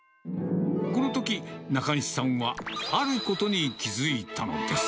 このとき、中西さんはあることに気付いたのです。